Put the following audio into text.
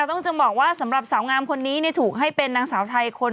ต้องจะบอกว่าสำหรับสาวงามคนนี้ถูกให้เป็นนางสาวไทยคน